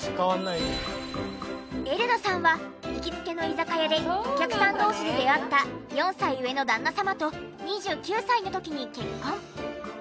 エレナさんは行きつけの居酒屋でお客さん同士で出会った４歳上の旦那様と２９歳の時に結婚。